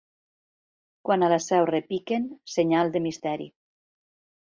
Quan a la Seu repiquen, senyal de misteri.